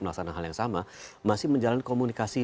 melaksanakan hal yang sama masih menjalani komunikasi